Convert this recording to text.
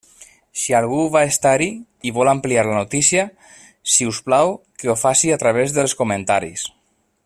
Si algú va estar-hi i vol ampliar la notícia, si us plau que ho faci a través dels comentaris.